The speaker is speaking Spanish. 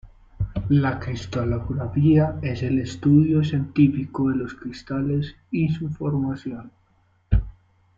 La cristalografía es el estudio científico de los cristales y su formación.